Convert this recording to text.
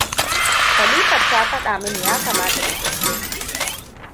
Khalifat ta faɗa min ya kamata ta tafi.